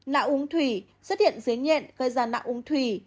não uống thủy xuất hiện dưới nhện gây ra não uống thủy